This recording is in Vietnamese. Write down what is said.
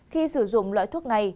khi sử dụng loại thuốc này